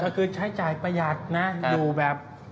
ก็คือใช้จ่ายประหยัดนะอยู่แบบ